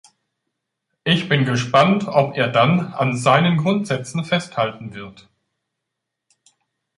Ich bin gespannt, ob er dann an seinen Grundsätzen festhalten wird.